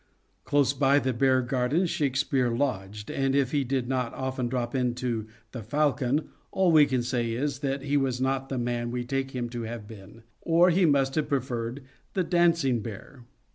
Close by The Bear Garden Shakespeare lodged, and if he did not often drop into " The Falcon," all we can say is that he was not the man we take him to have been, or he must have preferred " The Dancing Bear."